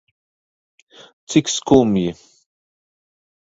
Cik skumji.